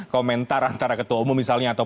komentar antara ketua umum misalnya atau